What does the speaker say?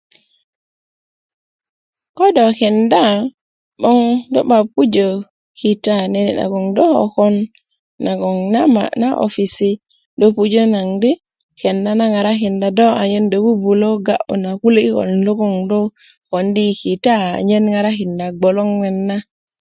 ko do kenda 'boŋ do 'bak pujö kita nene nagon do kokon nagon na opisi do pujö naŋ do kenda na ŋarakinda do anyen do bubulö ga'yü na kilolin loŋ do kondi kita anyen ŋarakinda gboloɲ net na